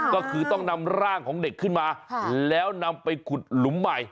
ก็คือต้องนำร่างของเด็กขึ้นมาแล้วนำไปขุดหลุมใหม่